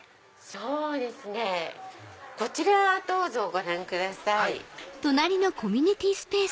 そうですねこちらどうぞご覧ください。